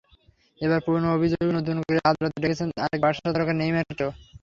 এবার পুরোনো অভিযোগে নতুন করে আদালত ডেকেছে আরেক বার্সা তারকা নেইমারকেও।